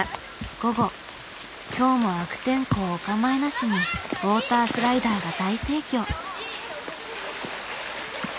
午後今日も悪天候おかまいなしにウォータースライダーが大盛況。